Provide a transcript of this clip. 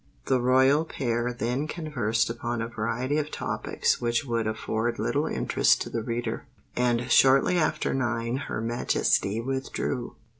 The royal pair then conversed upon a variety of topics which would afford little interest to the reader; and shortly after nine her Majesty withdrew.